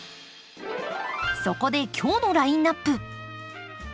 そこで今日のラインナップ。